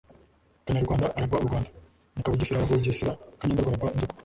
Kanyarwanda aragwa u Rwanda, Kanyabugesera aragwa u Bugesera, Kanyendorwa aragwa i Ndorwa.